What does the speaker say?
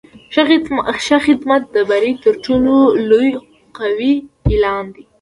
ښه خدمت د بری تر ټولو قوي اعلان دی.